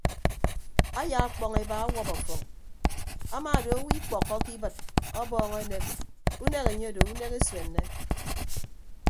Aya ọkpọñ eba ọwọp afọñ ama odo owo ikpọkkọke ibịt ọbọọñ enek unek enye odo unek esuenne.